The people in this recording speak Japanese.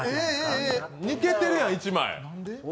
抜けてるやん、１枚。